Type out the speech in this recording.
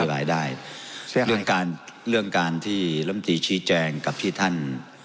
เสียหายได้เสียหายเรื่องการเรื่องการที่ลำตีชี้แจงกับที่ท่าน